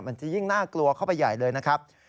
มันจะยิ่งน่ากลัวเข้าไปใหญ่เลยนะครับ